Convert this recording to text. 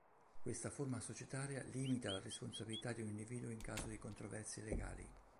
Questa forma societaria, limita la responsabilità di un individuo in caso di controversie legali.